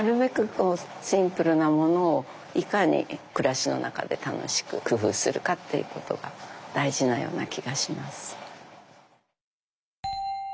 こうシンプルなものをいかに暮らしの中で楽しく工夫するかっていうことが大事なような気がします。